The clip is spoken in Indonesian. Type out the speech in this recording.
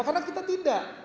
karena kita tidak